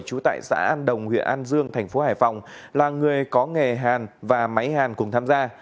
trú tại xã an đồng huyện an dương thành phố hải phòng là người có nghề hàn và máy hàn cùng tham gia